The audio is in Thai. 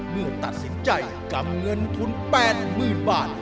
เมื่อตัดสินใจกำเงินทุน๘๐๐๐บาท